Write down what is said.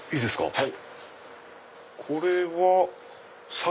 はい。